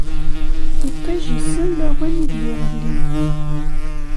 Iṭij issen lawan ideg iɣelli.